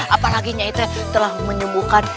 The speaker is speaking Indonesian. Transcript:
apalagi nyi telah menyembuhkan